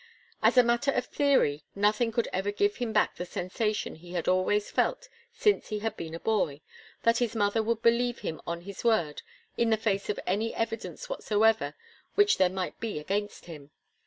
As a matter of theory, nothing could ever give him back the sensation he had always felt since he had been a boy that his mother would believe him on his word in the face of any evidence whatsoever which there might be against him.